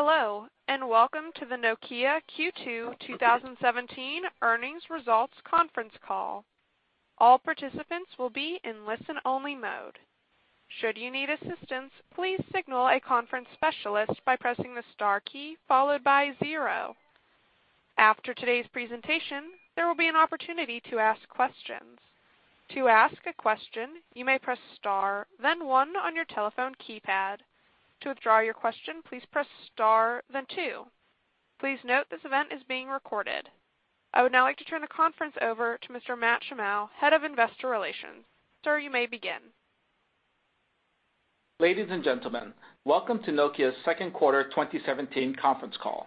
Hello, welcome to the Nokia Q2 2017 Earnings Results Conference Call. All participants will be in listen-only mode. Should you need assistance, please signal a conference specialist by pressing the star key followed by zero. After today's presentation, there will be an opportunity to ask questions. To ask a question, you may press star then one on your telephone keypad. To withdraw your question, please press star then two. Please note this event is being recorded. I would now like to turn the conference over to Mr. Matt Shimao, Head of Investor Relations. Sir, you may begin. Ladies and gentlemen, welcome to Nokia's second quarter 2017 conference call.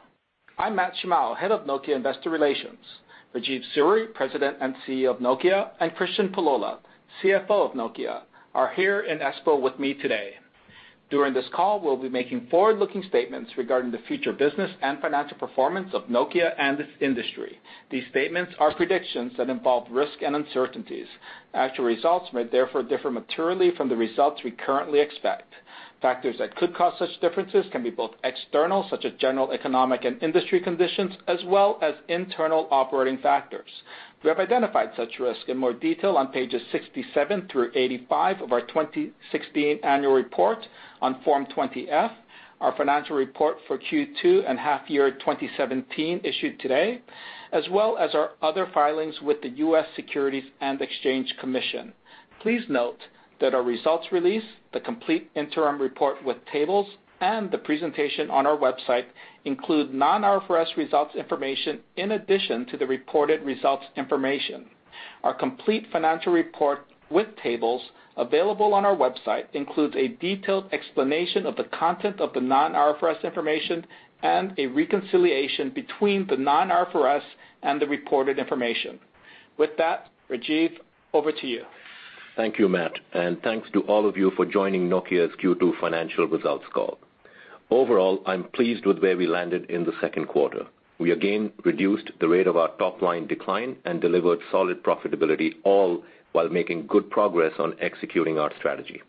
I'm Matt Shimaul, Head of Nokia Investor Relations. Rajeev Suri, President and CEO of Nokia, and Kristian Pullola, CFO of Nokia, are here in Espoo with me today. During this call, we'll be making forward-looking statements regarding the future business and financial performance of Nokia and its industry. These statements are predictions that involve risk and uncertainties. Actual results may therefore differ materially from the results we currently expect. Factors that could cause such differences can be both external, such as general economic and industry conditions, as well as internal operating factors. We have identified such risk in more detail on pages 67 through 85 of our 2016 annual report on Form 20-F, our financial report for Q2 and half year 2017 issued today, as well as our other filings with the U.S. Securities and Exchange Commission. Please note that our results release, the complete interim report with tables, and the presentation on our website include non-IFRS results information in addition to the reported results information. Our complete financial report with tables available on our website includes a detailed explanation of the content of the non-IFRS information and a reconciliation between the non-IFRS and the reported information. With that, Rajeev, over to you. Thank you, Matt, thanks to all of you for joining Nokia's Q2 financial results call. Overall, I'm pleased with where we landed in the second quarter. We again reduced the rate of our top-line decline and delivered solid profitability, all while making good progress on executing our strategy.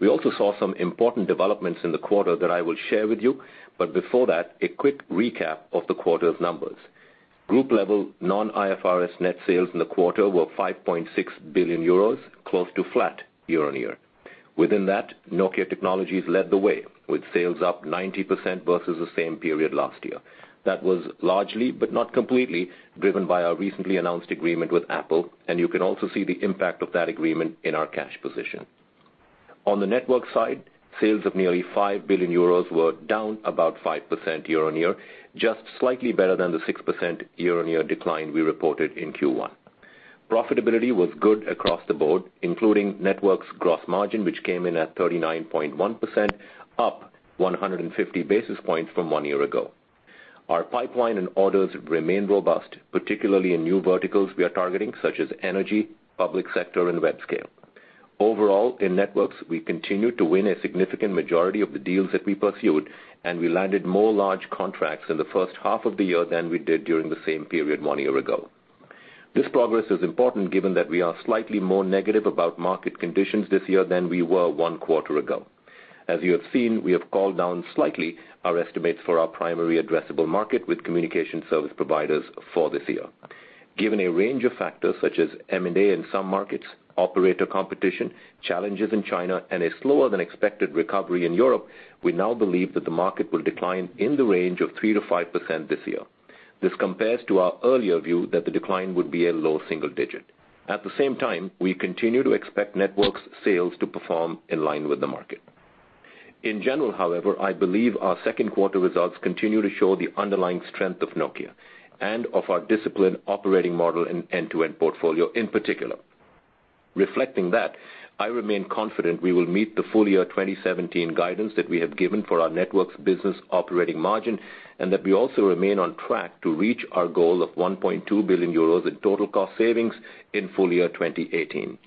We also saw some important developments in the quarter that I will share with you, but before that, a quick recap of the quarter's numbers. Group-level non-IFRS net sales in the quarter were 5.6 billion euros, close to flat year-on-year. Within that, Nokia Technologies led the way, with sales up 90% versus the same period last year. That was largely, but not completely, driven by our recently announced agreement with Apple, and you can also see the impact of that agreement in our cash position. On the network side, sales of nearly 5 billion euros were down about 5% year-on-year, just slightly better than the 6% year-on-year decline we reported in Q1. Profitability was good across the board, including networks gross margin, which came in at 39.1%, up 150 basis points from one year ago. Our pipeline and orders remain robust, particularly in new verticals we are targeting, such as energy, public sector, and web scale. Overall, in networks, we continued to win a significant majority of the deals that we pursued, and we landed more large contracts in the first half of the year than we did during the same period one year ago. This progress is important given that we are slightly more negative about market conditions this year than we were one quarter ago. As you have seen, we have called down slightly our estimates for our primary addressable market with communication service providers for this year. Given a range of factors such as M&A in some markets, operator competition, challenges in China, and a slower than expected recovery in Europe, we now believe that the market will decline in the range of 3%-5% this year. This compares to our earlier view that the decline would be a low single digit. At the same time, we continue to expect networks sales to perform in line with the market. In general, however, I believe our second quarter results continue to show the underlying strength of Nokia and of our disciplined operating model and end-to-end portfolio in particular. Reflecting that, I remain confident we will meet the full year 2017 guidance that we have given for our networks business operating margin and that we also remain on track to reach our goal of 1.2 billion euros in total cost savings in full year 2018.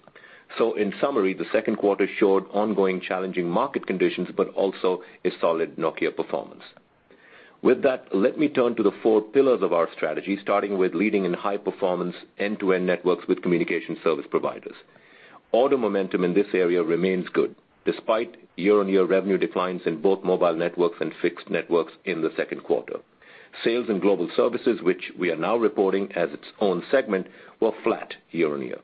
In summary, the second quarter showed ongoing challenging market conditions, but also a solid Nokia performance. With that, let me turn to the four pillars of our strategy, starting with leading in high performance end-to-end networks with communication service providers. Order momentum in this area remains good despite year-on-year revenue declines in both Mobile Networks and Fixed Networks in the second quarter. Sales and Global Services, which we are now reporting as its own segment, were flat year-on-year.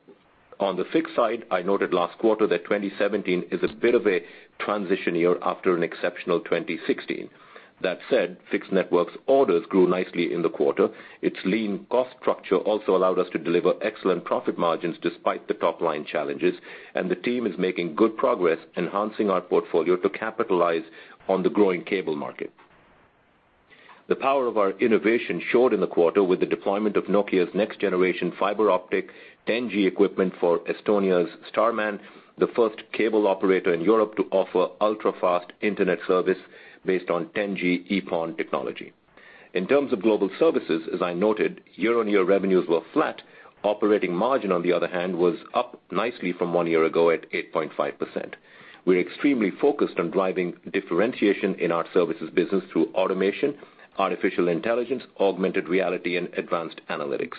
On the fixed side, I noted last quarter that 2017 is a bit of a transition year after an exceptional 2016. That said, Fixed Networks orders grew nicely in the quarter. Its lean cost structure also allowed us to deliver excellent profit margins despite the top-line challenges, and the team is making good progress enhancing our portfolio to capitalize on the growing cable market. The power of our innovation showed in the quarter with the deployment of Nokia's next generation fiber optic 10G equipment for Estonia's Starman, the first cable operator in Europe to offer ultra-fast internet service based on 10G-EPON technology. In terms of Global Services, as I noted, year-on-year revenues were flat. Operating margin, on the other hand, was up nicely from one year ago at 8.5%. We're extremely focused on driving differentiation in our services business through automation, artificial intelligence, augmented reality, and advanced analytics.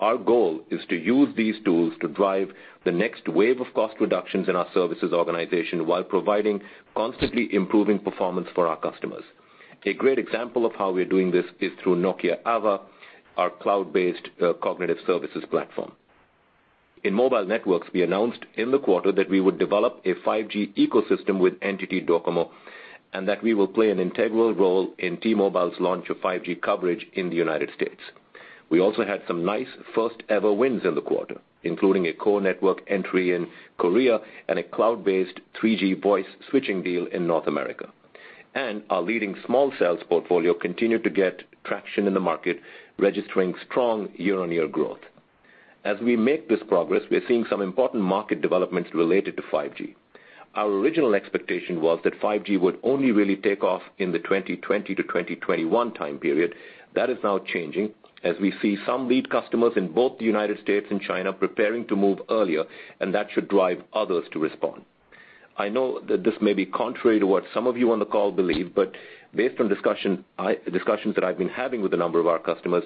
Our goal is to use these tools to drive the next wave of cost reductions in our services organization while providing constantly improving performance for our customers. A great example of how we're doing this is through Nokia AVA, our cloud-based cognitive services platform. In Mobile Networks, we announced in the quarter that we would develop a 5G ecosystem with NTT DOCOMO, and that we will play an integral role in T-Mobile's launch of 5G coverage in the U.S. We also had some nice first-ever wins in the quarter, including a core network entry in Korea and a cloud-based 3G voice switching deal in North America. Our leading small cells portfolio continued to get traction in the market, registering strong year-on-year growth. As we make this progress, we are seeing some important market developments related to 5G. Our original expectation was that 5G would only really take off in the 2020 to 2021 time period. That is now changing as we see some lead customers in both the U.S. and China preparing to move earlier. That should drive others to respond. I know that this may be contrary to what some of you on the call believe, but based on discussions that I've been having with a number of our customers,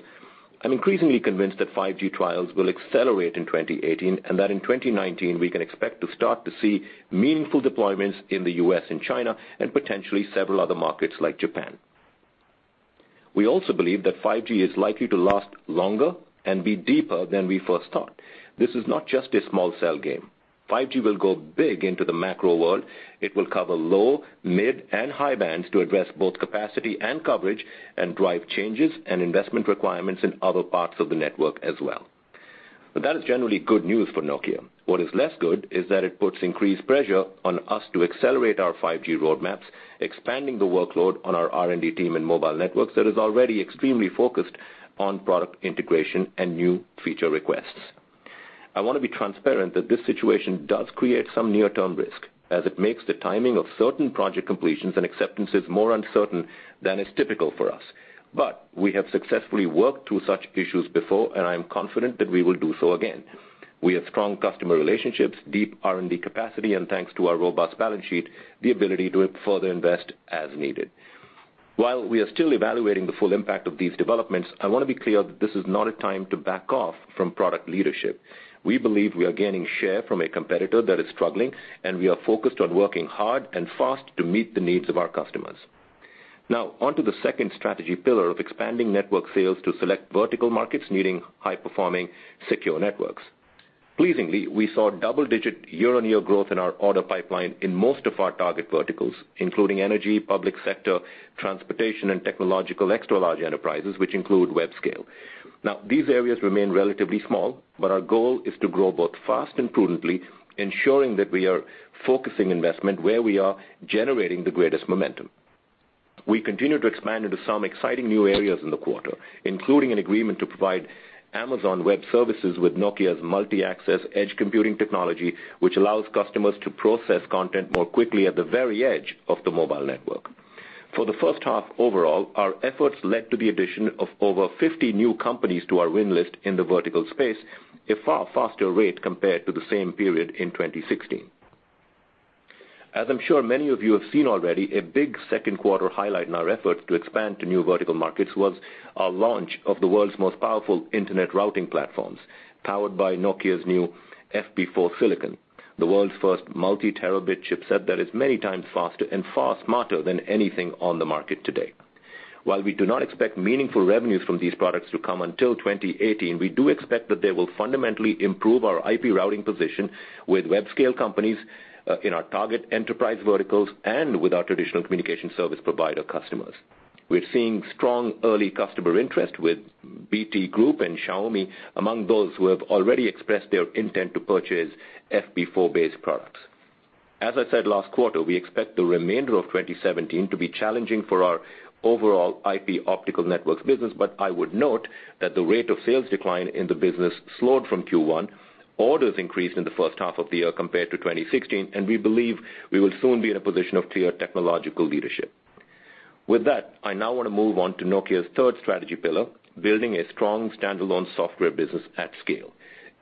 I'm increasingly convinced that 5G trials will accelerate in 2018. In 2019, we can expect to start to see meaningful deployments in the U.S. and China, and potentially several other markets like Japan. We also believe that 5G is likely to last longer and be deeper than we first thought. This is not just a small cell game. 5G will go big into the macro world. It will cover low, mid, and high bands to address both capacity and coverage and drive changes and investment requirements in other parts of the network as well. That is generally good news for Nokia. What is less good is that it puts increased pressure on us to accelerate our 5G roadmaps, expanding the workload on our R&D team and Mobile Networks that is already extremely focused on product integration and new feature requests. I want to be transparent that this situation does create some near-term risk, as it makes the timing of certain project completions and acceptances more uncertain than is typical for us. We have successfully worked through such issues before, and I am confident that we will do so again. We have strong customer relationships, deep R&D capacity, and thanks to our robust balance sheet, the ability to further invest as needed. While we are still evaluating the full impact of these developments, I want to be clear that this is not a time to back off from product leadership. We believe we are gaining share from a competitor that is struggling, and we are focused on working hard and fast to meet the needs of our customers. On to the second strategy pillar of expanding network sales to select vertical markets needing high-performing secure networks. Pleasingly, we saw double-digit year-on-year growth in our order pipeline in most of our target verticals, including energy, public sector, transportation, and technological extra large enterprises, which include web scale. These areas remain relatively small, but our goal is to grow both fast and prudently, ensuring that we are focusing investment where we are generating the greatest momentum. We continue to expand into some exciting new areas in the quarter, including an agreement to provide Amazon Web Services with Nokia's multi-access edge computing technology, which allows customers to process content more quickly at the very edge of the mobile network. For the first half overall, our efforts led to the addition of over 50 new companies to our win list in the vertical space, a far faster rate compared to the same period in 2016. As I'm sure many of you have seen already, a big second quarter highlight in our effort to expand to new vertical markets was our launch of the world's most powerful internet routing platforms, powered by Nokia's new FP4 silicon, the world's first multi-terabit chipset that is many times faster and far smarter than anything on the market today. While we do not expect meaningful revenues from these products to come until 2018, we do expect that they will fundamentally improve our IP routing position with web scale companies, in our target enterprise verticals, and with our traditional communication service provider customers. We're seeing strong early customer interest with BT Group and Xiaomi among those who have already expressed their intent to purchase FP4-based products. As I said last quarter, we expect the remainder of 2017 to be challenging for our overall IP optical networks business. I would note that the rate of sales decline in the business slowed from Q1. Orders increased in the first half of the year compared to 2016. We believe we will soon be in a position of clear technological leadership. With that, I now want to move on to Nokia's third strategy pillar, building a strong standalone software business at scale.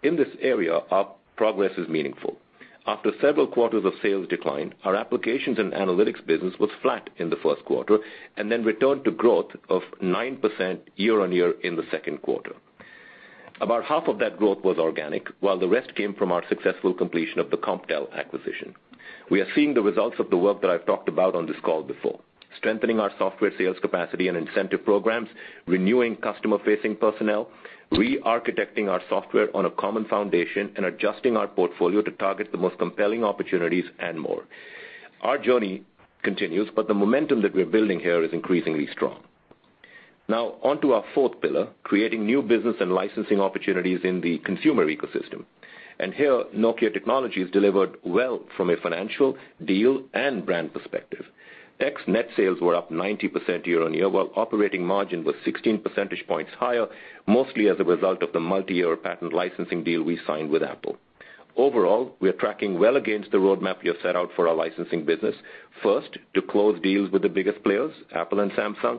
In this area, our progress is meaningful. After several quarters of sales decline, our applications and analytics business was flat in the first quarter and then returned to growth of 9% year-on-year in the second quarter. About half of that growth was organic, while the rest came from our successful completion of the Comptel acquisition. We are seeing the results of the work that I've talked about on this call before. Strengthening our software sales capacity and incentive programs, renewing customer-facing personnel, re-architecting our software on a common foundation, and adjusting our portfolio to target the most compelling opportunities, and more. Our journey continues. The momentum that we're building here is increasingly strong. On to our fourth pillar, creating new business and licensing opportunities in the consumer ecosystem. Here, Nokia Technologies has delivered well from a financial deal and brand perspective. Its net sales were up 90% year-on-year, while operating margin was 16 percentage points higher, mostly as a result of the multi-year patent licensing deal we signed with Apple. Overall, we are tracking well against the roadmap we have set out for our licensing business. First, to close deals with the biggest players, Apple and Samsung,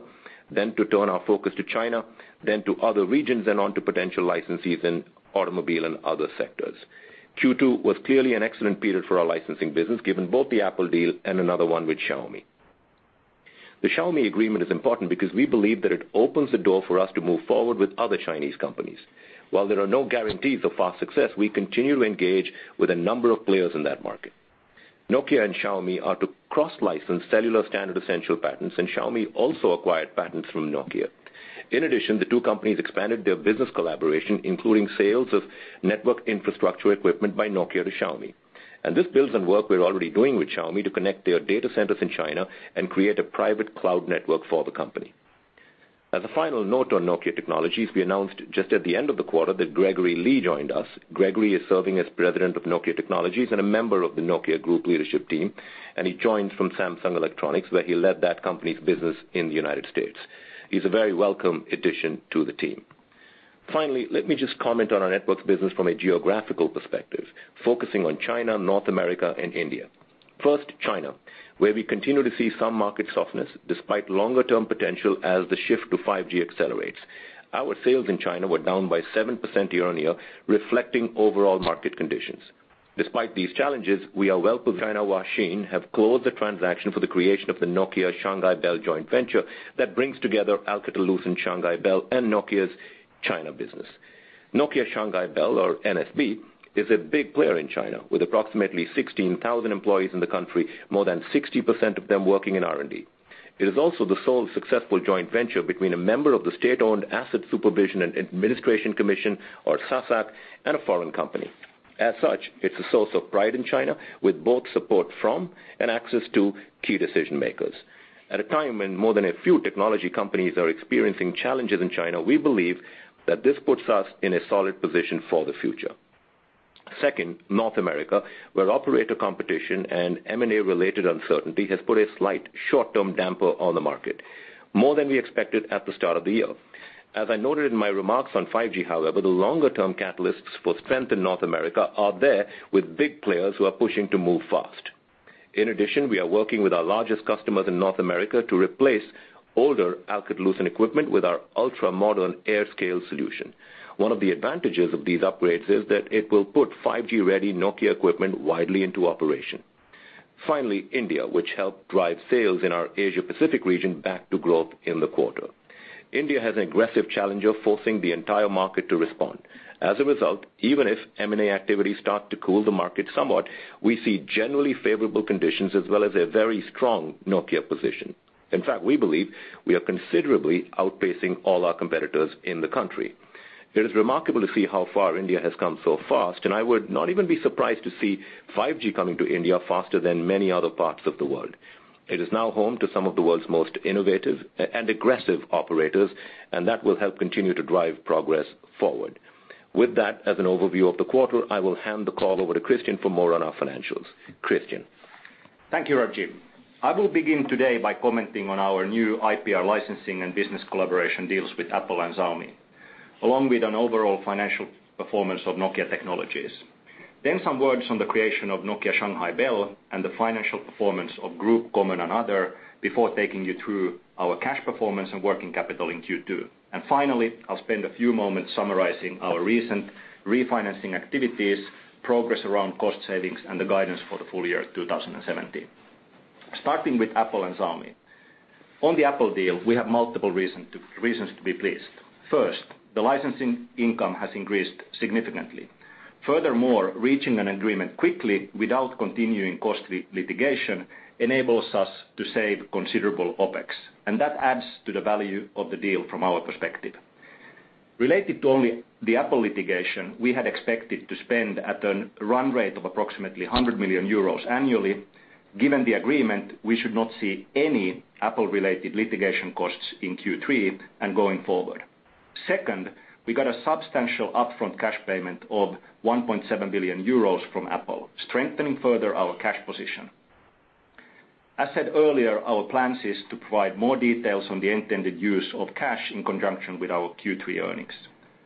then to turn our focus to China, then to other regions, and on to potential licensees in automobile and other sectors. Q2 was clearly an excellent period for our licensing business, given both the Apple deal and another one with Xiaomi. The Xiaomi agreement is important because we believe that it opens the door for us to move forward with other Chinese companies. While there are no guarantees of fast success, we continue to engage with a number of players in that market. Nokia and Xiaomi are to cross-license cellular standard essential patents, and Xiaomi also acquired patents from Nokia. The two companies expanded their business collaboration, including sales of network infrastructure equipment by Nokia to Xiaomi. This builds on work we're already doing with Xiaomi to connect their data centers in China and create a private cloud network for the company. As a final note on Nokia Technologies, we announced just at the end of the quarter that Gregory Lee joined us. Gregory is serving as President of Nokia Technologies and a member of the Nokia Group leadership team, and he joins from Samsung Electronics, where he led that company's business in the U.S. He's a very welcome addition to the team. Finally, let me just comment on our networks business from a geographical perspective, focusing on China, North America and India. First, China, where we continue to see some market softness despite longer-term potential as the shift to 5G accelerates. Our sales in China were down by 7% year-on-year, reflecting overall market conditions. Despite these challenges, we are well-positioned. China Huaxin have closed the transaction for the creation of the Nokia Shanghai Bell joint venture that brings together Alcatel-Lucent and Shanghai Bell, and Nokia's China business. Nokia Shanghai Bell, or NSB, is a big player in China with approximately 16,000 employees in the country, more than 60% of them working in R&D. It is also the sole successful joint venture between a member of the State-owned Assets Supervision and Administration Commission, or SASAC, and a foreign company. As such, it's a source of pride in China with both support from and access to key decision-makers. At a time when more than a few technology companies are experiencing challenges in China, we believe that this puts us in a solid position for the future. Second, North America, where operator competition and M&A related uncertainty has put a slight short-term damper on the market, more than we expected at the start of the year. As I noted in my remarks on 5G, however, the longer-term catalysts for strength in North America are there with big players who are pushing to move fast. We are working with our largest customers in North America to replace older Alcatel-Lucent equipment with our ultra-modern AirScale solution. One of the advantages of these upgrades is that it will put 5G-ready Nokia equipment widely into operation. Finally, India, which helped drive sales in our Asia Pacific region back to growth in the quarter. India has an aggressive challenge of forcing the entire market to respond. Even if M&A activity start to cool the market somewhat, we see generally favorable conditions as well as a very strong Nokia position. In fact, we believe we are considerably outpacing all our competitors in the country. It is remarkable to see how far India has come so fast. I would not even be surprised to see 5G coming to India faster than many other parts of the world. It is now home to some of the world's most innovative and aggressive operators. That will help continue to drive progress forward. With that as an overview of the quarter, I will hand the call over to Kristian for more on our financials. Kristian? Thank you, Rajeev. I will begin today by commenting on our new IPR licensing and business collaboration deals with Apple and Xiaomi, along with an overall financial performance of Nokia Technologies. Some words on the creation of Nokia Shanghai Bell and the financial performance of Group Common and Other before taking you through our cash performance and working capital in Q2. Finally, I'll spend a few moments summarizing our recent refinancing activities, progress around cost savings, and the guidance for the full year 2017. Starting with Apple and Xiaomi. On the Apple deal, we have multiple reasons to be pleased. First, the licensing income has increased significantly. Furthermore, reaching an agreement quickly without continuing costly litigation enables us to save considerable OpEx, and that adds to the value of the deal from our perspective. Related to only the Apple litigation, we had expected to spend at a run rate of approximately 100 million euros annually. Given the agreement, we should not see any Apple-related litigation costs in Q3 and going forward. Second, we got a substantial upfront cash payment of 1.7 billion euros from Apple, strengthening further our cash position. As said earlier, our plan is to provide more details on the intended use of cash in conjunction with our Q3 earnings.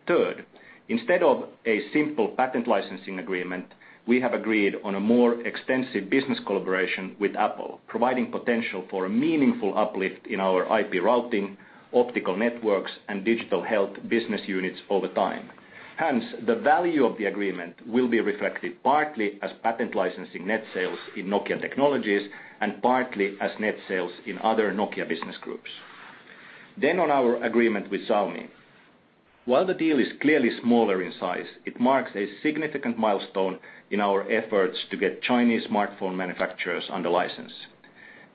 Third, instead of a simple patent licensing agreement, we have agreed on a more extensive business collaboration with Apple, providing potential for a meaningful uplift in our IP routing, optical networks, and digital health business units over time. Hence, the value of the agreement will be reflected partly as patent licensing net sales in Nokia Technologies and partly as net sales in other Nokia business groups. On our agreement with Xiaomi. While the deal is clearly smaller in size, it marks a significant milestone in our efforts to get Chinese smartphone manufacturers under license.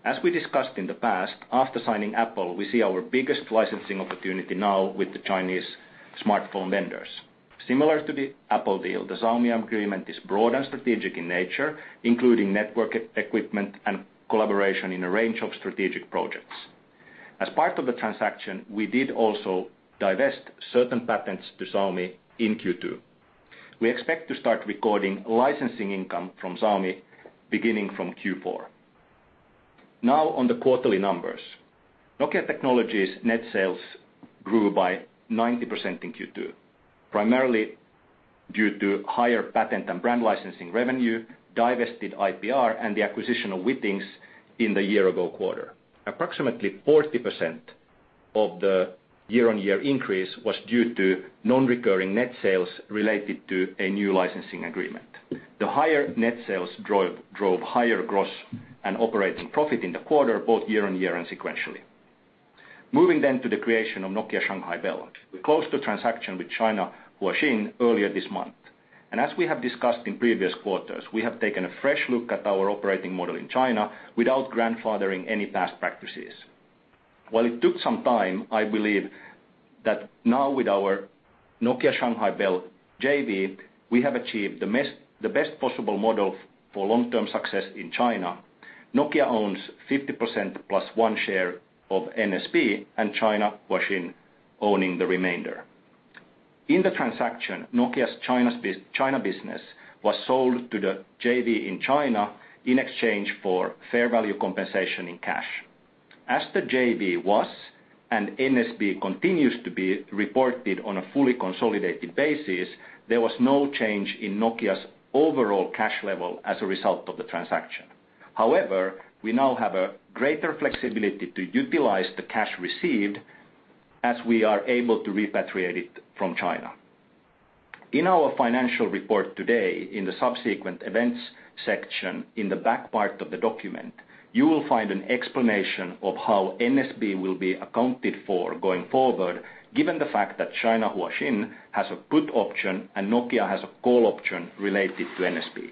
As we discussed in the past, after signing Apple, we see our biggest licensing opportunity now with the Chinese smartphone vendors. Similar to the Apple deal, the Xiaomi agreement is broad and strategic in nature, including network equipment and collaboration in a range of strategic projects. As part of the transaction, we did also divest certain patents to Xiaomi in Q2. We expect to start recording licensing income from Xiaomi beginning from Q4. On the quarterly numbers. Nokia Technologies net sales grew by 90% in Q2, primarily due to higher patent and brand licensing revenue, divested IPR, and the acquisition of Withings in the year-ago quarter. Approximately 40% of the year-on-year increase was due to non-recurring net sales related to a new licensing agreement. The higher net sales drove higher gross and operating profit in the quarter, both year-on-year and sequentially. Moving to the creation of Nokia Shanghai Bell. We closed the transaction with China Huaxin earlier this month. As we have discussed in previous quarters, we have taken a fresh look at our operating model in China without grandfathering any past practices. While it took some time, I believe that now with our Nokia Shanghai Bell JV, we have achieved the best possible model for long-term success in China. Nokia owns 50% plus one share of NSB and China Huaxin owning the remainder. In the transaction, Nokia's China business was sold to the JV in China in exchange for fair value compensation in cash. As the JV was, and NSB continues to be, reported on a fully consolidated basis, there was no change in Nokia's overall cash level as a result of the transaction. However, we now have a greater flexibility to utilize the cash received as we are able to repatriate it from China. In our financial report today, in the Subsequent Events section in the back part of the document, you will find an explanation of how NSB will be accounted for going forward, given the fact that China Huaxin has a put option and Nokia has a call option related to NSB.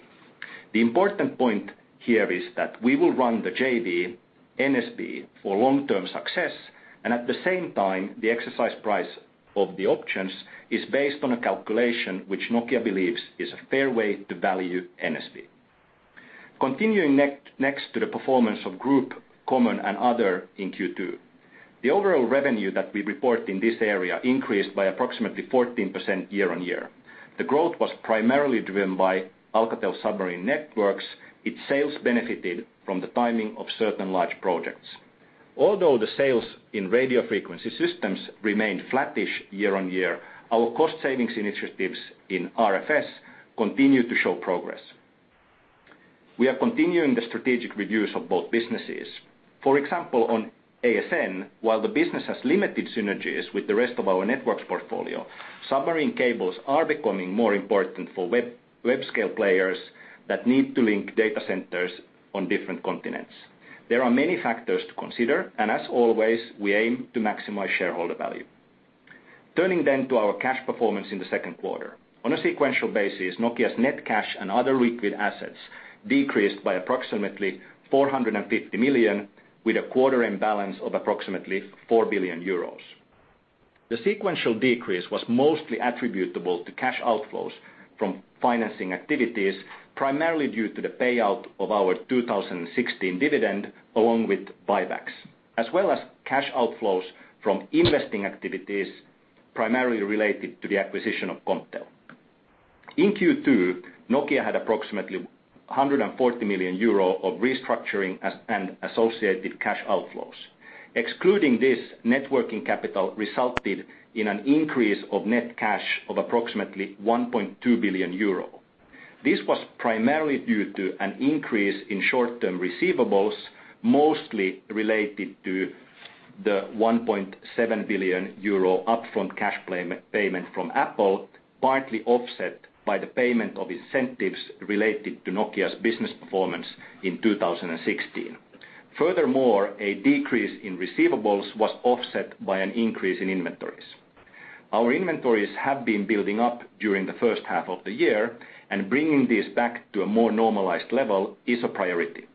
The important point here is that we will run the JV, NSB, for long-term success, and at the same time, the exercise price of the options is based on a calculation which Nokia believes is a fair way to value NSB. Continuing next to the performance of Group, Common and Other in Q2. The overall revenue that we report in this area increased by approximately 14% year-on-year. The growth was primarily driven by Alcatel Submarine Networks. Its sales benefited from the timing of certain large projects. Although the sales in radio frequency systems remained flattish year-on-year, our cost savings initiatives in RFS continue to show progress. We are continuing the strategic reviews of both businesses. For example, on ASN, while the business has limited synergies with the rest of our networks portfolio, submarine cables are becoming more important for web scale players that need to link data centers on different continents. There are many factors to consider, as always, we aim to maximize shareholder value. Turning to our cash performance in the second quarter. On a sequential basis, Nokia's net cash and other liquid assets decreased by approximately 450 million, with a quarter end balance of approximately €4 billion. The sequential decrease was mostly attributable to cash outflows from financing activities, primarily due to the payout of our 2016 dividend along with buybacks. As well as cash outflows from investing activities, primarily related to the acquisition of Comptel. In Q2, Nokia had approximately €140 million of restructuring and associated cash outflows. Excluding this, net working capital resulted in an increase of net cash of approximately €1.2 billion. This was primarily due to an increase in short-term receivables, mostly related to the €1.7 billion upfront cash payment from Apple, partly offset by the payment of incentives related to Nokia's business performance in 2016. Furthermore, a decrease in receivables was offset by an increase in inventories. Our inventories have been building up during the first half of the year, bringing these back to a more normalized level is a priority.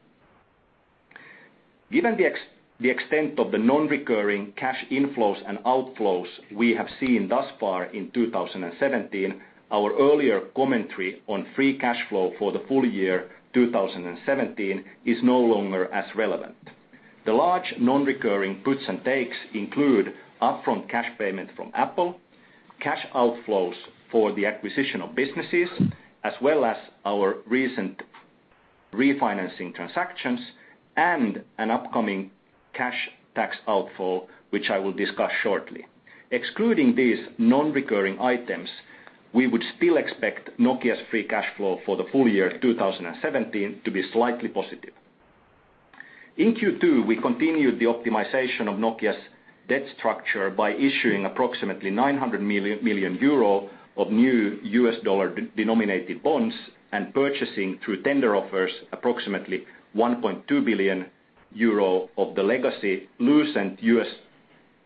Given the extent of the non-recurring cash inflows and outflows we have seen thus far in 2017, our earlier commentary on free cash flow for the full year 2017 is no longer as relevant. The large non-recurring puts and takes include upfront cash payment from Apple, cash outflows for the acquisition of businesses, as well as our recent refinancing transactions and an upcoming cash tax outflow, which I will discuss shortly. Excluding these non-recurring items, we would still expect Nokia's free cash flow for the full year 2017 to be slightly positive. In Q2, we continued the optimization of Nokia's debt structure by issuing approximately 900 million euro of new US dollar-denominated bonds and purchasing, through tender offers, approximately 1.2 billion euro of the legacy Alcatel-Lucent US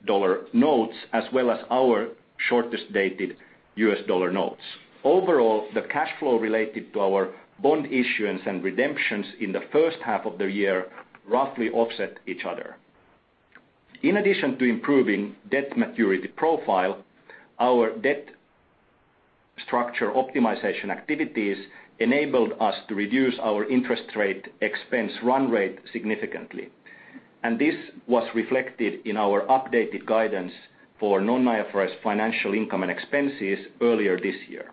dollar notes, as well as our shortest dated US dollar notes. Overall, the cash flow related to our bond issuance and redemptions in the first half of the year roughly offset each other. In addition to improving debt maturity profile, our debt structure optimization activities enabled us to reduce our interest rate expense run rate significantly. This was reflected in our updated guidance for non-IFRS financial income and expenses earlier this year.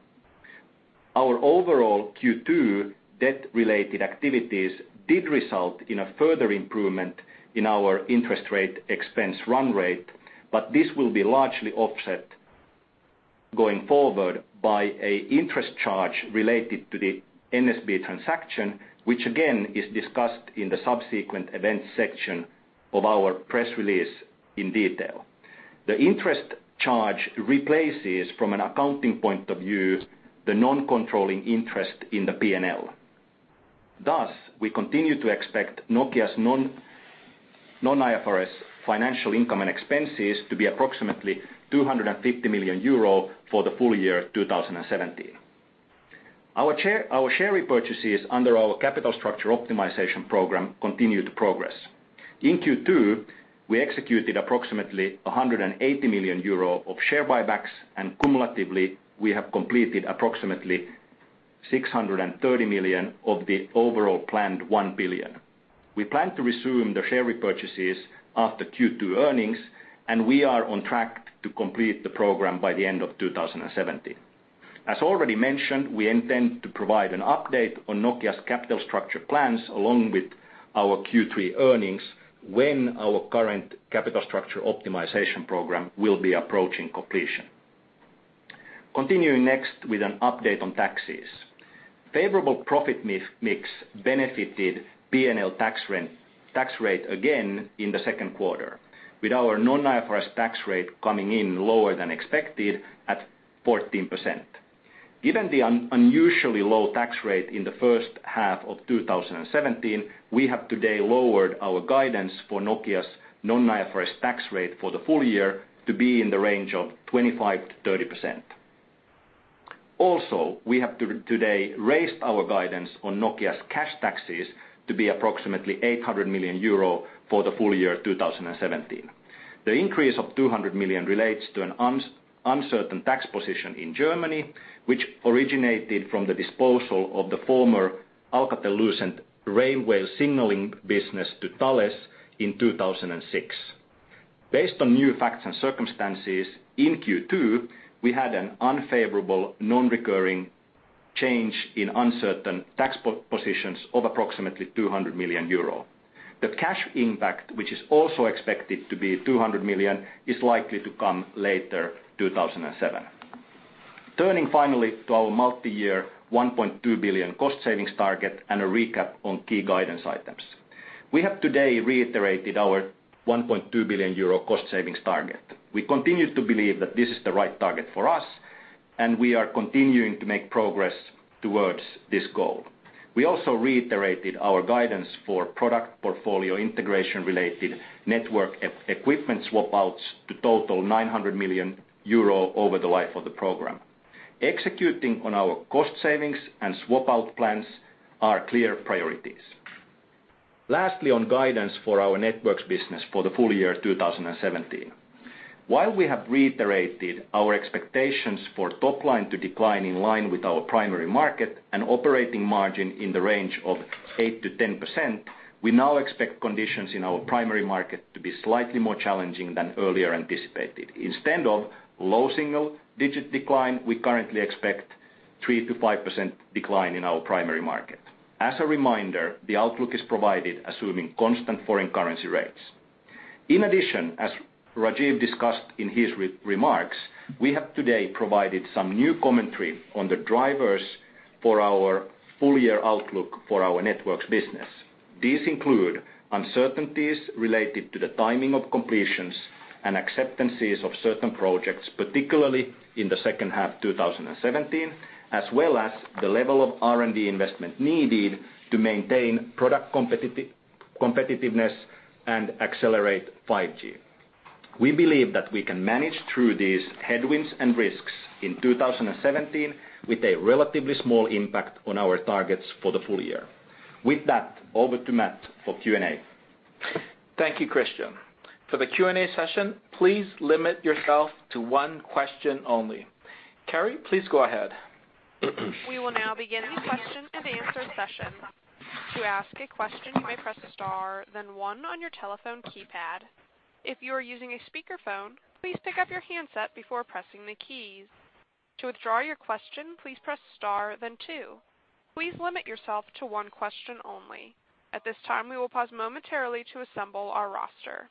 Our overall Q2 debt-related activities did result in a further improvement in our interest rate expense run rate, but this will be largely offset going forward by an interest charge related to the NSB transaction, which again is discussed in the Subsequent Events section of our press release in detail. The interest charge replaces, from an accounting point of view, the non-controlling interest in the P&L. Thus, we continue to expect Nokia's non-IFRS financial income and expenses to be approximately 250 million euro for the full year 2017. Our share repurchases under our capital structure optimization program continue to progress. In Q2, we executed approximately 180 million euro of share buybacks, and cumulatively, we have completed approximately 630 million of the overall planned 1 billion. We plan to resume the share repurchases after Q2 earnings, and we are on track to complete the program by the end of 2017. As already mentioned, we intend to provide an update on Nokia's capital structure plans along with our Q3 earnings when our current capital structure optimization program will be approaching completion. Continuing next with an update on taxes. Favorable profit mix benefited P&L tax rate again in the second quarter, with our non-IFRS tax rate coming in lower than expected at 14%. Given the unusually low tax rate in the first half of 2017, we have today lowered our guidance for Nokia's non-IFRS tax rate for the full year to be in the range of 25%-30%. We have today raised our guidance on Nokia's cash taxes to be approximately 800 million euro for the full year 2017. The increase of 200 million relates to an uncertain tax position in Germany, which originated from the disposal of the former Alcatel-Lucent railway signaling business to Thales in 2006. Based on new facts and circumstances, in Q2, we had an unfavorable non-recurring change in uncertain tax positions of approximately 200 million euro. The cash impact, which is also expected to be 200 million, is likely to come later 2007. Turning finally to our multi-year 1.2 billion cost savings target and a recap on key guidance items. We have today reiterated our 1.2 billion euro cost savings target. We continue to believe that this is the right target for us, and we are continuing to make progress towards this goal. We also reiterated our guidance for product portfolio integration-related network equipment swap outs to total 900 million euro over the life of the program. Executing on our cost savings and swap out plans are clear priorities. Lastly, on guidance for our networks business for the full year 2017. While we have reiterated our expectations for top line to decline in line with our primary market and operating margin in the range of 8%-10%, we now expect conditions in our primary market to be slightly more challenging than earlier anticipated. Instead of low single-digit decline, we currently expect 3%-5% decline in our primary market. As a reminder, the outlook is provided assuming constant foreign currency rates. In addition, as Rajeev discussed in his remarks, we have today provided some new commentary on the drivers for our full-year outlook for our networks business. These include uncertainties related to the timing of completions and acceptances of certain projects, particularly in the second half 2017, as well as the level of R&D investment needed to maintain product competitiveness and accelerate 5G. We believe that we can manage through these headwinds and risks in 2017 with a relatively small impact on our targets for the full year. With that, over to Matt for Q&A. Thank you, Kristian. For the Q&A session, please limit yourself to one question only. Carrie, please go ahead. We will now begin the question and answer session. To ask a question, you may press star then one on your telephone keypad. If you are using a speakerphone, please pick up your handset before pressing the keys. To withdraw your question, please press star then two. Please limit yourself to one question only. At this time, we will pause momentarily to assemble our roster.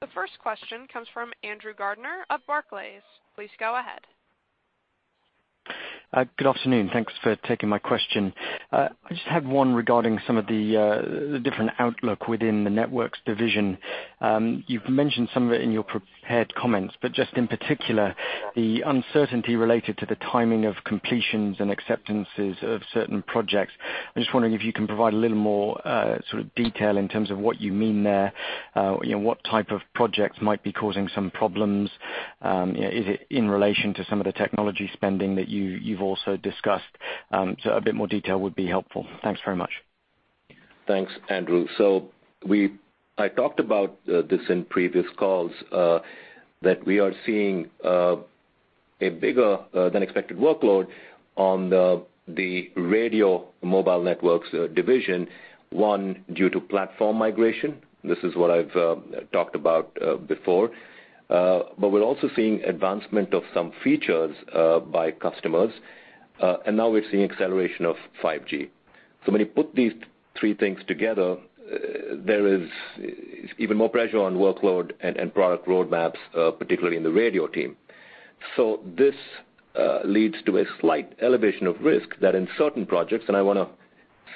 The first question comes from Andrew Gardiner of Barclays. Please go ahead. Good afternoon. Thanks for taking my question. I just had one regarding some of the different outlook within the networks division. You've mentioned some of it in your prepared comments, but just in particular, the uncertainty related to the timing of completions and acceptances of certain projects. I'm just wondering if you can provide a little more sort of detail in terms of what you mean there. What type of projects might be causing some problems? Is it in relation to some of the technology spending that you've also discussed? A bit more detail would be helpful. Thanks very much. Thanks, Andrew. I talked about this in previous calls, that we are seeing a bigger than expected workload on the radio Mobile Networks division. One, due to platform migration. This is what I've talked about before. We're also seeing advancement of some features by customers. Now we're seeing acceleration of 5G. When you put these three things together, there is even more pressure on workload and product roadmaps, particularly in the radio team. This leads to a slight elevation of risk that in certain projects, and I want to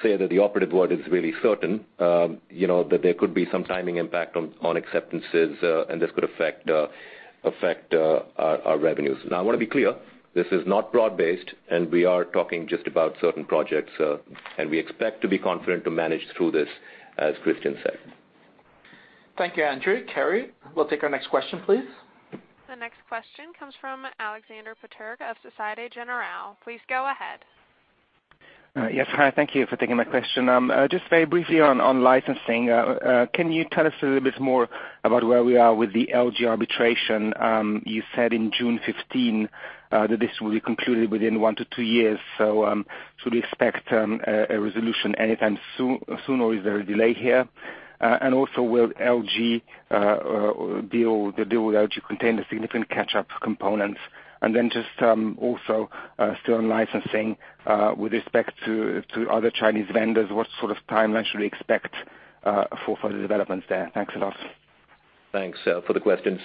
say that the operative word is really certain, that there could be some timing impact on acceptances, and this could affect our revenues. Now, I want to be clear, this is not broad-based, and we are talking just about certain projects, and we expect to be confident to manage through this, as Kristian said. Thank you, Andrew. Carrie, we'll take our next question, please. The next question comes from Aleksander Peterc of Société Générale. Please go ahead. Yes. Hi, thank you for taking my question. Just very briefly on licensing, can you tell us a little bit more about where we are with the LG arbitration? You said in June 2015, that this will be concluded within one to two years. Should we expect a resolution anytime soon, or is there a delay here? Also, will the deal with LG contain a significant catch-up component? Still on licensing, with respect to other Chinese vendors, what sort of timeline should we expect for further developments there? Thanks a lot. Thanks for the question.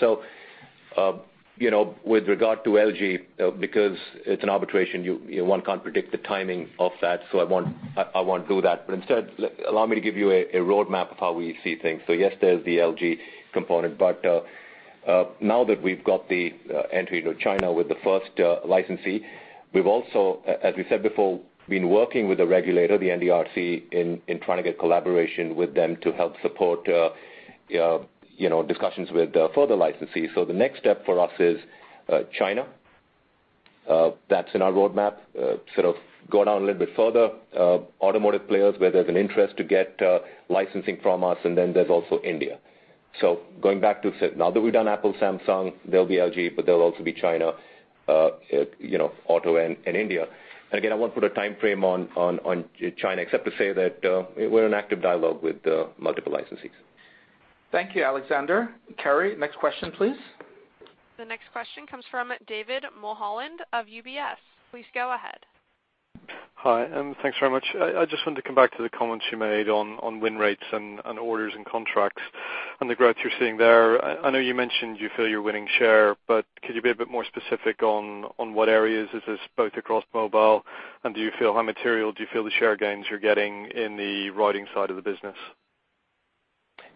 With regard to LG, because it's an arbitration, one can't predict the timing of that, I won't do that. Instead, allow me to give you a roadmap of how we see things. Yes, there's the LG component, but now that we've got the entry into China with the first licensee, we've also, as we said before, been working with the regulator, the NDRC, in trying to get collaboration with them to help support discussions with further licensees. The next step for us is China. That's in our roadmap. Sort of go down a little bit further, automotive players where there's an interest to get licensing from us, there's also India. Going back to, now that we've done Apple, Samsung, there'll be LG, but there'll also be China, auto, and India. Again, I won't put a timeframe on China except to say that we're in active dialogue with multiple licensees. Thank you, Aleksander. Carrie, next question, please. The next question comes from David Mulholland of UBS. Please go ahead. Hi. Thanks very much. I just wanted to come back to the comments you made on win rates and orders and contracts and the growth you're seeing there. I know you mentioned you feel you're winning share, but could you be a bit more specific on what areas is this, both across mobile? Do you feel how material do you feel the share gains you're getting in the routing side of the business?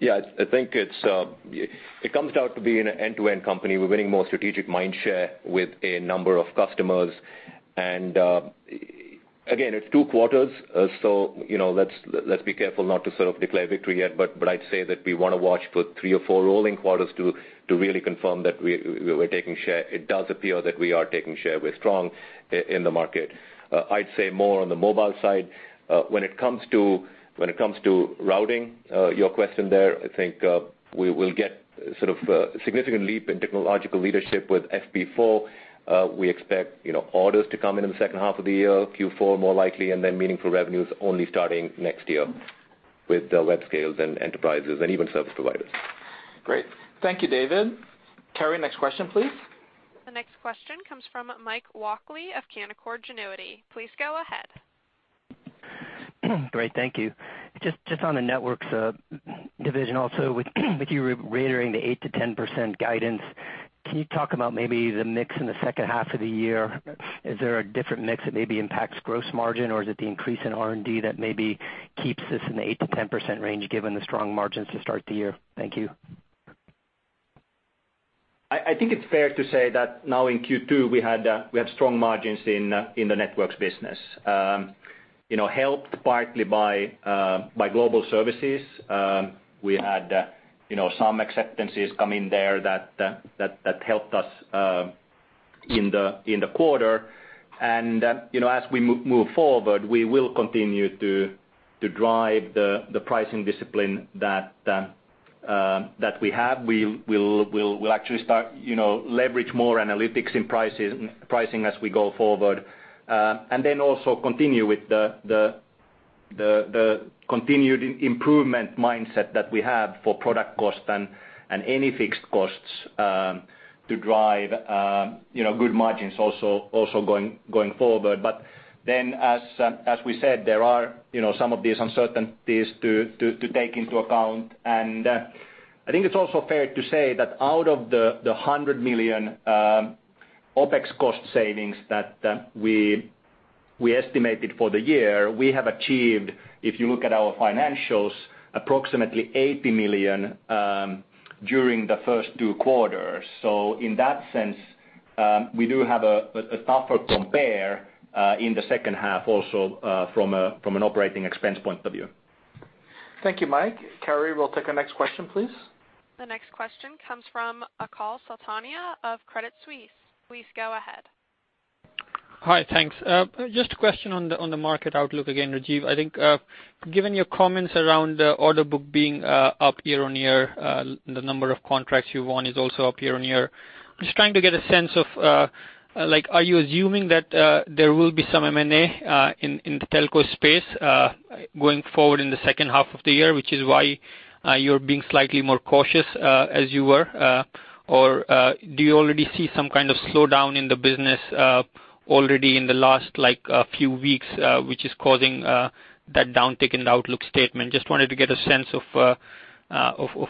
I think it comes down to being an end-to-end company. We're winning more strategic mind share with a number of customers. Again, it's two quarters, so let's be careful not to sort of declare victory yet, but I'd say that we want to watch for three or four rolling quarters to really confirm that we're taking share. It does appear that we are taking share. We're strong in the market. I'd say more on the mobile side. When it comes to routing, your question there, I think we will get sort of a significant leap in technological leadership with FP4. We expect orders to come in in the second half of the year, Q4 more likely, and then meaningful revenues only starting next year with web scales and enterprises and even service providers. Great. Thank you, David. Carrie, next question, please. The next question comes from Mike Walkley of Canaccord Genuity. Please go ahead. Great. Thank you. Just on the networks division also with you reiterating the 8%-10% guidance, can you talk about maybe the mix in the second half of the year? Is there a different mix that maybe impacts gross margin, or is it the increase in R&D that maybe keeps this in the 8%-10% range given the strong margins to start the year? Thank you. I think it's fair to say that now in Q2 we have strong margins in the networks business. Helped partly by Global Services. We had some acceptances come in there that helped us in the quarter. As we move forward, we will continue to drive the pricing discipline that we have. We'll actually start leverage more analytics in pricing as we go forward. Also continue with the continued improvement mindset that we have for product cost and any fixed costs to drive good margins also going forward. As we said, there are some of these uncertainties to take into account. I think it's also fair to say that out of the 100 million OpEx cost savings that we estimated for the year, we have achieved, if you look at our financials, approximately 80 million during the first two quarters. In that sense, we do have a tougher compare in the second half also, from an operating expense point of view. Thank you, Mike. Carrie, we'll take the next question, please. The next question comes from Achal Sultania of Credit Suisse. Please go ahead. Hi. Thanks. Just a question on the market outlook again, Rajeev. I think given your comments around the order book being up year-over-year, the number of contracts you won is also up year-over-year. I'm just trying to get a sense of, are you assuming that there will be some M&A in the telco space going forward in the second half of the year, which is why you're being slightly more cautious as you were? Or do you already see some kind of slowdown in the business already in the last few weeks, which is causing that downtick in the outlook statement? Just wanted to get a sense of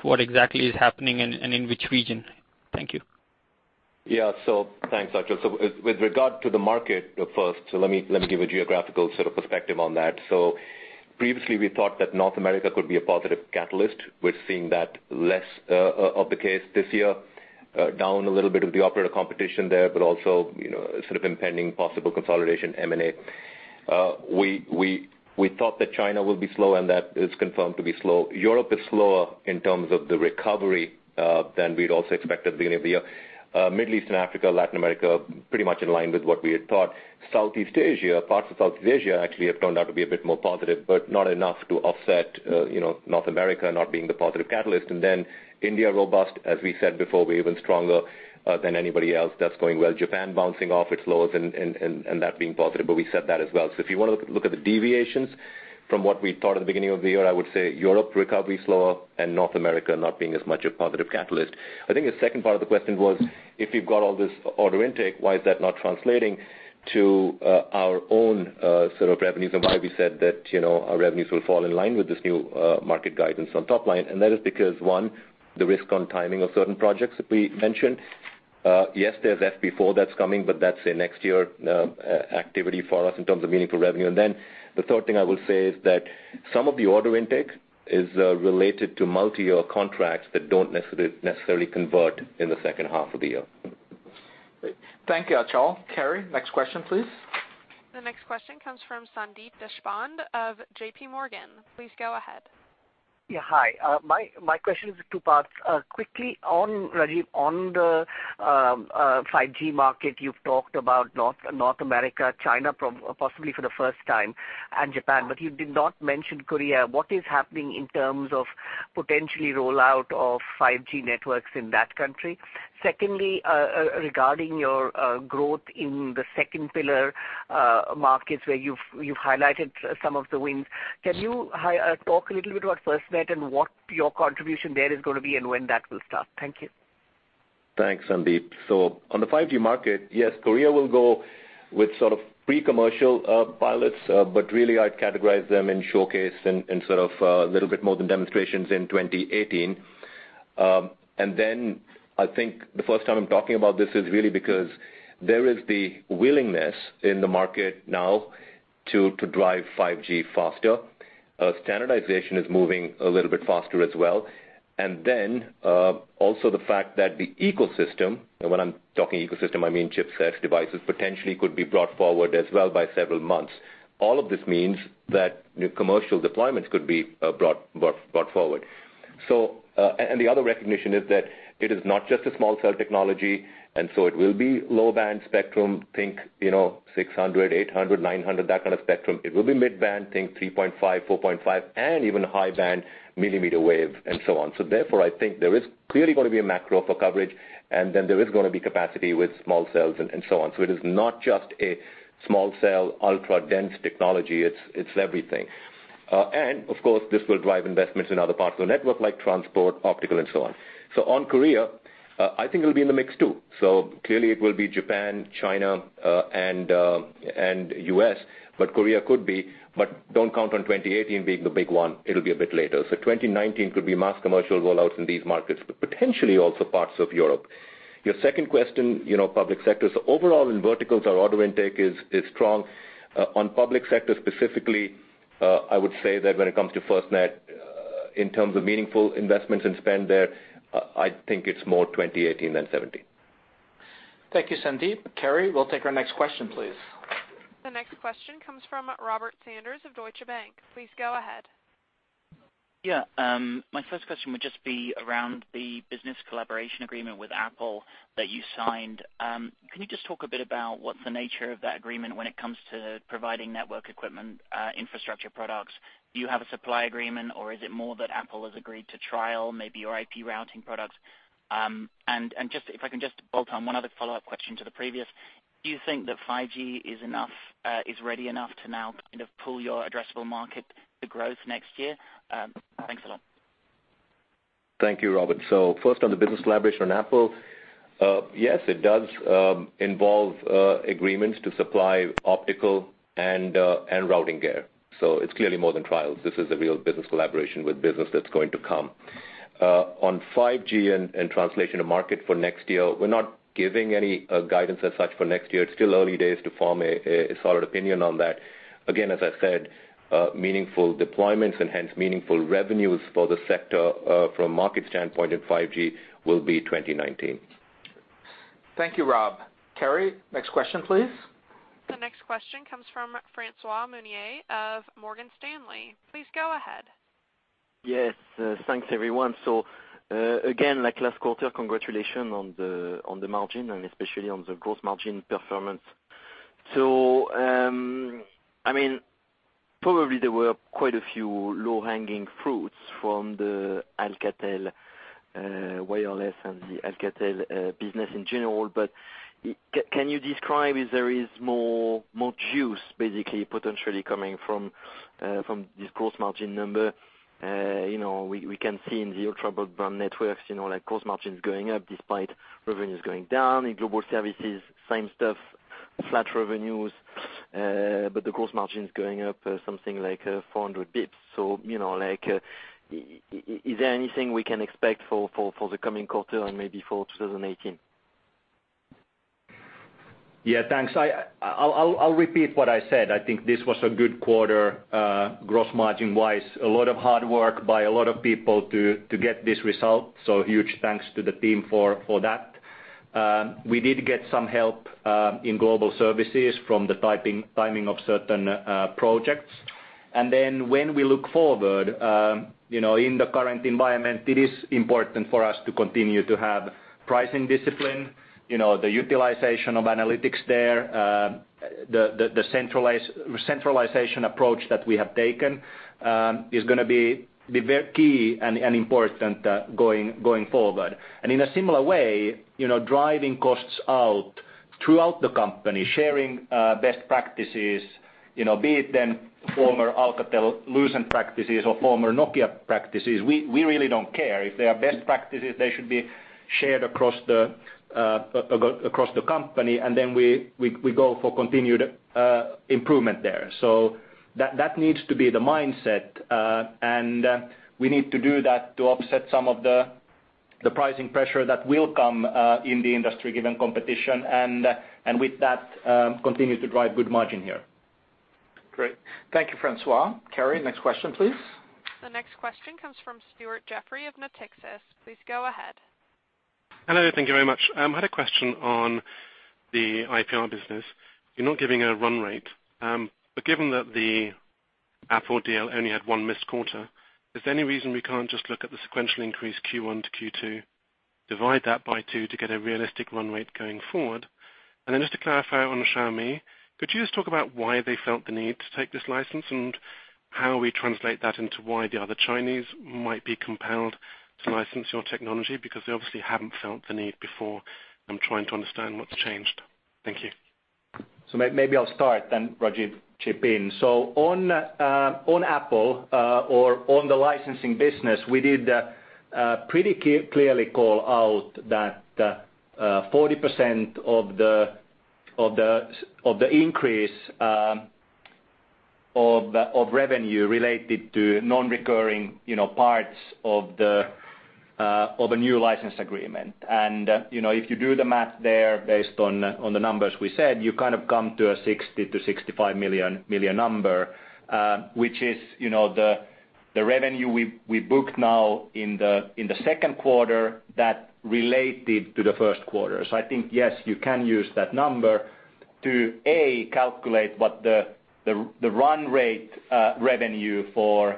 what exactly is happening and in which region. Thank you. Thanks, Achal. With regard to the market first, let me give a geographical sort of perspective on that. Previously, we thought that North America could be a positive catalyst. We're seeing that less of the case this year, down a little bit with the operator competition there, but also, sort of impending possible consolidation M&A. We thought that China will be slow, and that is confirmed to be slow. Europe is slower in terms of the recovery than we'd also expected at the beginning of the year. Middle East and Africa, Latin America, pretty much in line with what we had thought. Southeast Asia, parts of South Asia actually have turned out to be a bit more positive, but not enough to offset North America not being the positive catalyst. India, robust, as we said before, were even stronger than anybody else. That's going well. Japan bouncing off its lows and that being positive, we said that as well. If you want to look at the deviations from what we thought at the beginning of the year, I would say Europe recovery is slower and North America not being as much a positive catalyst. I think the second part of the question was, if you've got all this order intake, why is that not translating to our own sort of revenues and why we said that our revenues will fall in line with this new market guidance on top line? That is because, one, the risk on timing of certain projects that we mentioned. Yes, there's FP4 that's coming, but that's a next year activity for us in terms of meaningful revenue. The third thing I will say is that some of the order intake is related to multi-year contracts that don't necessarily convert in the second half of the year. Great. Thank you, Achal. Carrie, next question, please. The next question comes from Sandeep Deshpande of J.P. Morgan. Please go ahead. Yeah. Hi. My question is two parts. Quickly on, Rajeev, on the 5G market, you've talked about North America, China, possibly for the first time, and Japan, but you did not mention Korea. What is happening in terms of potentially rollout of 5G networks in that country? Secondly, regarding your growth in the second pillar markets where you've highlighted some of the wins, can you talk a little bit about FirstNet and what your contribution there is going to be and when that will start? Thank you. Thanks, Sandeep. On the 5G market, yes, Korea will go with sort of pre-commercial pilots, but really I'd categorize them in showcase and sort of a little bit more than demonstrations in 2018. I think the first time I'm talking about this is really because there is the willingness in the market now to drive 5G faster. Standardization is moving a little bit faster as well. Also the fact that the ecosystem, and when I'm talking ecosystem, I mean chipsets, devices, potentially could be brought forward as well by several months. All of this means that commercial deployments could be brought forward. The other recognition is that it is not just a small cell technology, and so it will be low-band spectrum, think 600, 800, 900, that kind of spectrum. It will be mid-band, think 3.5, 4.5, and even high-band millimeter wave and so on. I think there is clearly going to be a macro for coverage, there is going to be capacity with small cells and so on. It is not just a small cell, ultra-dense technology. It's everything. Of course, this will drive investments in other parts of the network, like transport, optical and so on. On Korea, I think it'll be in the mix too. Clearly it will be Japan, China, and U.S., but Korea could be, but don't count on 2018 being the big one. It'll be a bit later. 2019 could be mass commercial rollouts in these markets, but potentially also parts of Europe. Your second question, public sector. Overall in verticals, our order intake is strong. On public sector specifically, I would say that when it comes to FirstNet, in terms of meaningful investments and spend there, I think it's more 2018 than '17. Thank you, Sandeep. Carrie, we'll take our next question, please. The next question comes from Robert Sanders of Deutsche Bank. Please go ahead. Yeah. My first question would just be around the business collaboration agreement with Apple that you signed. Can you just talk a bit about what's the nature of that agreement when it comes to providing network equipment, infrastructure products? Do you have a supply agreement, or is it more that Apple has agreed to trial maybe your IP routing products? If I can just bolt on one other follow-up question to the previous, do you think that 5G is ready enough to now kind of pull your addressable market to growth next year? Thanks a lot. Thank you, Robert. First on the business collaboration on Apple, yes, it does involve agreements to supply optical and routing gear. It's clearly more than trials. This is a real business collaboration with business that's going to come. On 5G and translation to market for next year, we're not giving any guidance as such for next year. It's still early days to form a solid opinion on that. Again, as I said, meaningful deployments and hence meaningful revenues for the sector, from a market standpoint in 5G, will be 2019. Thank you, Rob. Carrie, next question, please. The next question comes from Francois Meunier of Morgan Stanley. Please go ahead. Yes, thanks everyone. Again, like last quarter, congratulations on the margin and especially on the gross margin performance. Probably there were quite a few low-hanging fruits from the Alcatel wireless and the Alcatel business in general. Can you describe if there is more juice, basically, potentially coming from this gross margin number? We can see in the Ultra Broadband Networks, like gross margin is going up despite revenues going down. In Global Services, same stuff, flat revenues. The gross margin is going up something like 400 basis points. Is there anything we can expect for the coming quarter and maybe for 2018? Yeah, thanks. I will repeat what I said. I think this was a good quarter, gross margin wise. A lot of hard work by a lot of people to get this result. Huge thanks to the team for that. We did get some help in Global Services from the timing of certain projects. When we look forward, in the current environment, it is important for us to continue to have pricing discipline. The utilization of analytics there, the centralization approach that we have taken is going to be key and important going forward. In a similar way, driving costs out throughout the company, sharing best practices, be it then former Alcatel-Lucent practices or former Nokia practices, we really don't care. If they are best practices, they should be shared across the company, we go for continued improvement there. That needs to be the mindset, we need to do that to offset some of the pricing pressure that will come in the industry, given competition, with that, continue to drive good margin here. Great. Thank you, Francois. Carrie, next question, please. The next question comes from Stuart Jeffrey of Natixis. Please go ahead. Hello, thank you very much. I had a question on the IPR business. You're not giving a run rate. Given that the Apple deal only had one missed quarter, is there any reason we can't just look at the sequential increase Q1 to Q2, divide that by two to get a realistic run rate going forward? To clarify on Xiaomi, could you just talk about why they felt the need to take this license and how we translate that into why the other Chinese might be compelled to license your technology? They obviously haven't felt the need before. I'm trying to understand what's changed. Thank you. Maybe I'll start, then Rajeev chip in. On Apple or on the licensing business, we did pretty clearly call out that 40% of the increase of revenue related to non-recurring parts of a new license agreement. If you do the math there based on the numbers we said, you come to a 60 million-65 million number, which is the revenue we book now in the second quarter that related to the first quarter. I think, yes, you can use that number to, A, calculate what the run rate revenue for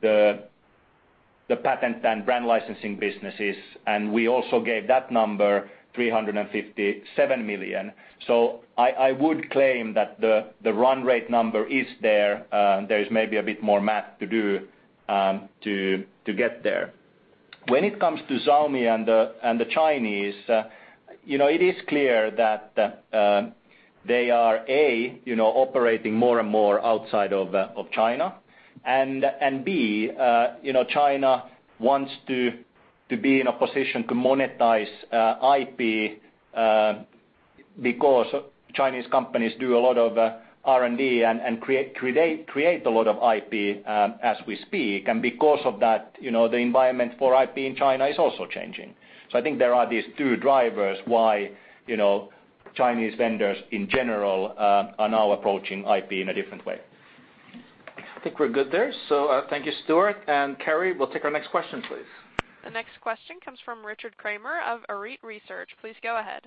the patent and brand licensing business is. We also gave that number, 357 million. I would claim that the run rate number is there. There is maybe a bit more math to do to get there. When it comes to Xiaomi and the Chinese, it is clear that they are, A, operating more and more outside of China. B, China wants to be in a position to monetize IP because Chinese companies do a lot of R&D and create a lot of IP as we speak. Because of that, the environment for IP in China is also changing. I think there are these two drivers why Chinese vendors in general are now approaching IP in a different way. I think we're good there. Thank you, Stuart and Carrie, we'll take our next question, please. The next question comes from Richard Kramer of Arete Research. Please go ahead.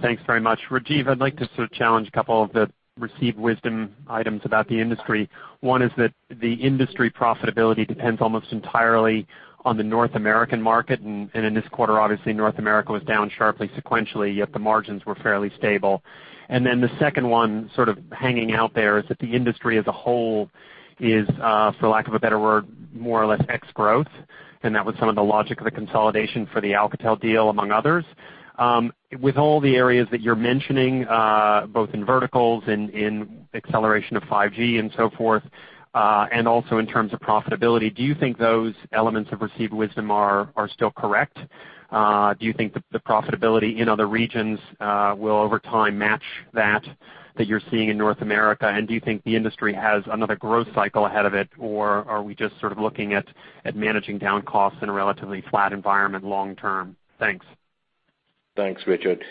Thanks very much. Rajeev, I'd like to challenge a couple of the received wisdom items about the industry. One is that the industry profitability depends almost entirely on the North American market, and in this quarter, obviously North America was down sharply sequentially, yet the margins were fairly stable. The second one hanging out there is that the industry as a whole is, for lack of a better word, more or less ex growth, and that was some of the logic of the consolidation for the Alcatel deal, among others. With all the areas that you're mentioning, both in verticals, in acceleration of 5G and so forth, also in terms of profitability, do you think those elements of received wisdom are still correct? Do you think the profitability in other regions will over time match that that you're seeing in North America? Do you think the industry has another growth cycle ahead of it, or are we just looking at managing down costs in a relatively flat environment long term? Thanks. Thanks, Richard.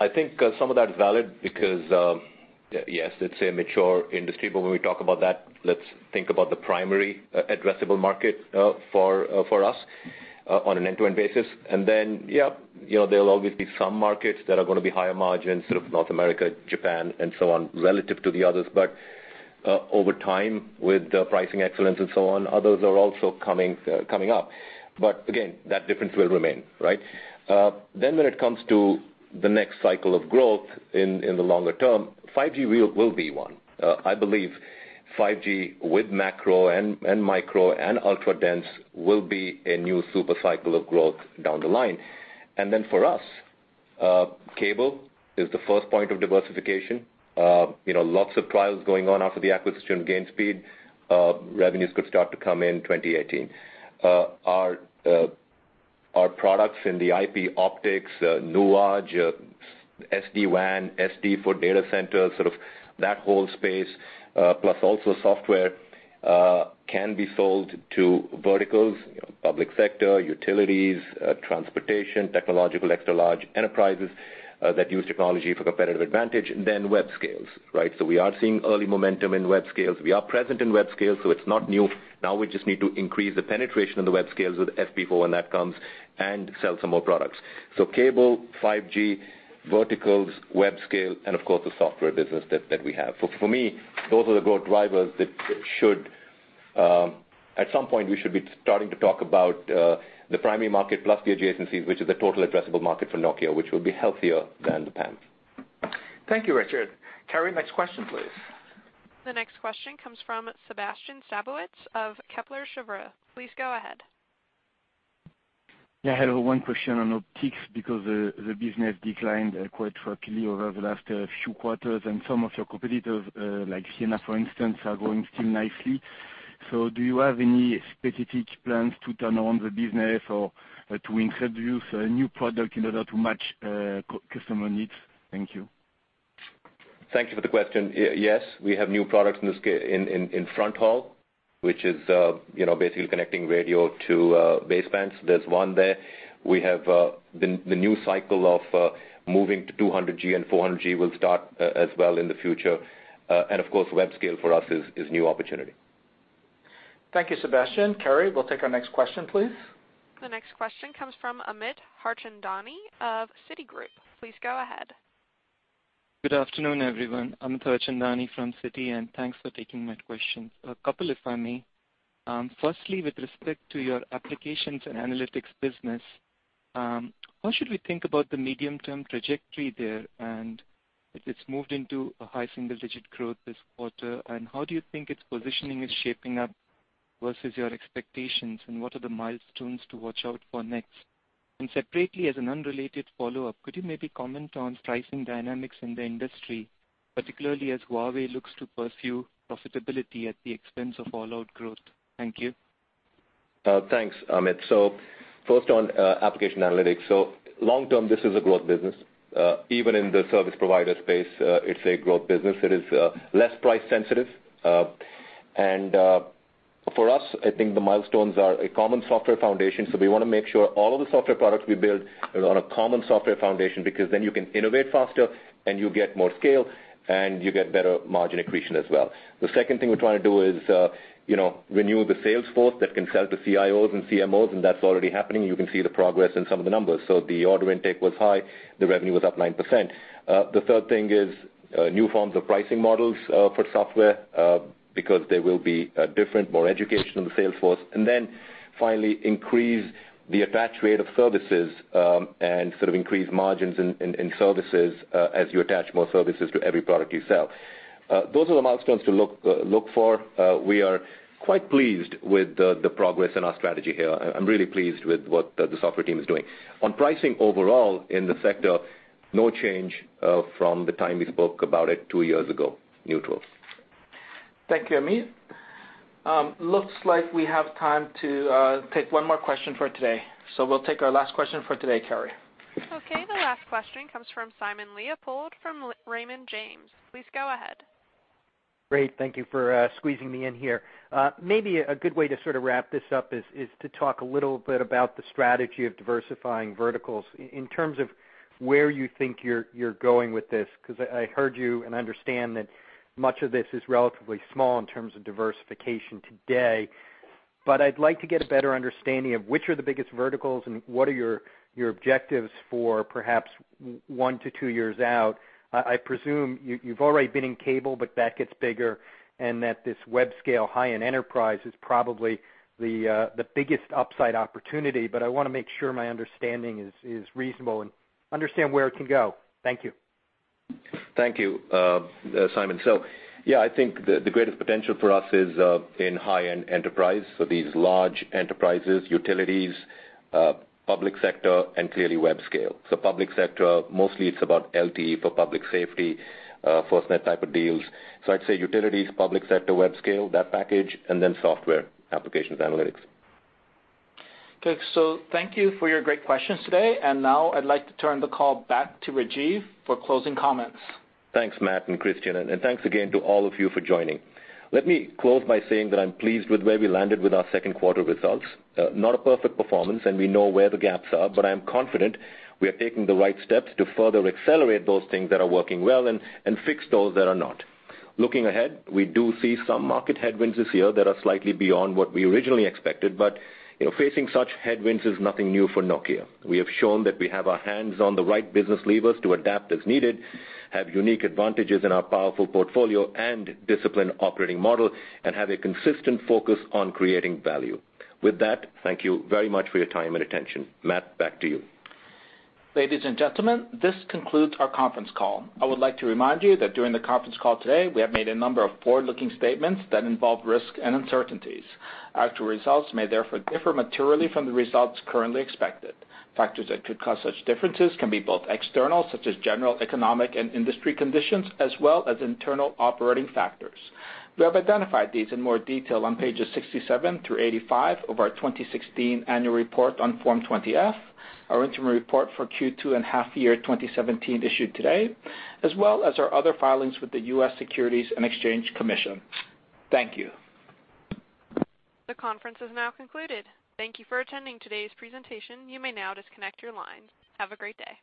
I think some of that is valid because, yes, it's a mature industry, but when we talk about that, let's think about the primary addressable market for us on an end-to-end basis. Yeah, there'll always be some markets that are going to be higher margins, North America, Japan, and so on, relative to the others. Over time, with pricing excellence and so on, others are also coming up. Again, that difference will remain, right? When it comes to the next cycle of growth in the longer term, 5G will be one. I believe 5G with macro and micro and ultra dense will be a new super cycle of growth down the line. For us, cable is the first point of diversification. Lots of trials going on after the acquisition of Gainspeed. Revenues could start to come in 2018. Our products in the IP optics, Nuage, SD-WAN, SD for data centers, sort of that whole space, plus also software, can be sold to verticals, public sector, utilities, transportation, technological, extra large enterprises that use technology for competitive advantage, web scales. We are seeing early momentum in web scales. We are present in web scale, so it's not new. Now we just need to increase the penetration of the web scales with FP4 when that comes, and sell some more products. Cable, 5G, verticals, web scale, and of course, the software business that we have. For me, those are the growth drivers that should, at some point, we should be starting to talk about the primary market plus the adjacencies, which is the total addressable market for Nokia, which will be healthier than the PAM. Thank you, Richard. Carrie, next question, please. The next question comes from Sebastien Sztabowicz of Kepler Cheuvreux. Please go ahead. Hello, one question on optics because the business declined quite rapidly over the last few quarters, and some of your competitors, like Ciena, for instance, are growing still nicely. Do you have any specific plans to turn around the business or to introduce a new product in order to match customer needs? Thank you. Thank you for the question. Yes, we have new products in fronthaul, which is basically connecting radio to basebands. There's one there. We have the new cycle of moving to 200G and 400G will start as well in the future. Of course, web scale for us is new opportunity. Thank you, Sebastien. Carrie, we'll take our next question, please. The next question comes from Amit Harchandani of Citigroup. Please go ahead. Good afternoon, everyone. Amit Harchandani from Citi, thanks for taking my questions. A couple, if I may. Firstly, with respect to your Applications & Analytics business, what should we think about the medium-term trajectory there? It's moved into a high single-digit growth this quarter, and how do you think its positioning is shaping up versus your expectations, and what are the milestones to watch out for next? Separately, as an unrelated follow-up, could you maybe comment on pricing dynamics in the industry, particularly as Huawei looks to pursue profitability at the expense of all-out growth? Thank you. Thanks, Amit. First on Applications & Analytics. Long-term, this is a growth business. Even in the service provider space, it's a growth business. It is less price sensitive. For us, I think the milestones are a common software foundation, so we want to make sure all of the software products we build are on a common software foundation, because then you can innovate faster, and you get more scale, and you get better margin accretion as well. The second thing we're trying to do is renew the sales force that can sell to CIOs and CMOs, and that's already happening. You can see the progress in some of the numbers. The order intake was high, the revenue was up 9%. The third thing is new forms of pricing models for software, because they will be different, more education on the sales force. Finally, increase the attach rate of services, and increase margins in services, as you attach more services to every product you sell. Those are the milestones to look for. We are quite pleased with the progress in our strategy here. I'm really pleased with what the software team is doing. On pricing overall in the sector, no change from the time we spoke about it two years ago. Neutral. Thank you, Amit. Looks like we have time to take one more question for today. We'll take our last question for today, Carrie. The last question comes from Simon Leopold from Raymond James. Please go ahead. Thank you for squeezing me in here. Maybe a good way to sort of wrap this up is to talk a little bit about the strategy of diversifying verticals in terms of where you think you're going with this. I heard you and understand that much of this is relatively small in terms of diversification today. I'd like to get a better understanding of which are the biggest verticals and what are your objectives for perhaps one to two years out. I presume you've already been in cable, but that gets bigger and that this web scale high-end enterprise is probably the biggest upside opportunity. I want to make sure my understanding is reasonable and understand where it can go. Thank you. Thank you, Simon. Yeah, I think the greatest potential for us is in high-end enterprise. These large enterprises, utilities, public sector, and clearly web scale. Public sector, mostly it's about LTE for public safety, FirstNet type of deals. I'd say utilities, public sector, web scale, that package, and then software applications analytics. Thank you for your great questions today. Now I'd like to turn the call back to Rajeev for closing comments. Thanks, Matt and Kristian, and thanks again to all of you for joining. Let me close by saying that I'm pleased with where we landed with our second quarter results. Not a perfect performance and we know where the gaps are, but I'm confident we are taking the right steps to further accelerate those things that are working well and fix those that are not. Looking ahead, we do see some market headwinds this year that are slightly beyond what we originally expected, but facing such headwinds is nothing new for Nokia. We have shown that we have our hands on the right business levers to adapt as needed, have unique advantages in our powerful portfolio and disciplined operating model, and have a consistent focus on creating value. With that, thank you very much for your time and attention. Matt, back to you. Ladies and gentlemen, this concludes our conference call. I would like to remind you that during the conference call today, we have made a number of forward-looking statements that involve risk and uncertainties. Actual results may therefore differ materially from the results currently expected. Factors that could cause such differences can be both external, such as general economic and industry conditions, as well as internal operating factors. We have identified these in more detail on pages 67 through 85 of our 2016 annual report on Form 20-F, our interim report for Q2 and half year 2017 issued today, as well as our other filings with the U.S. Securities and Exchange Commission. Thank you. The conference is now concluded. Thank you for attending today's presentation. You may now disconnect your lines. Have a great day.